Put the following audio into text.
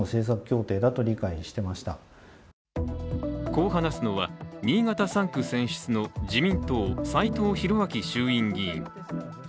こう話すのは新潟３区選出の自民党・斎藤洋明衆院議員。